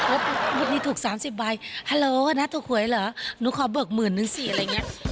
ชุดนี้ถูก๓๐ใบฮัลโลก็นะถูกหวยเหรอหนูขอเบิกหมื่นนึงสิอะไรอย่างนี้